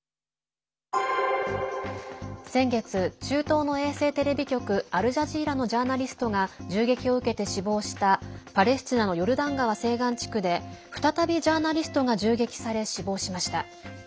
先月、中東の衛星テレビ局アルジャジーラのジャーナリストが銃撃を受けて死亡したパレスチナのヨルダン川西岸地区で再びジャーナリストが銃撃され死亡しました。